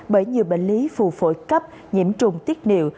bởi nhiều bệnh lý phù phổi cấp nhiễm trùng tiết niệu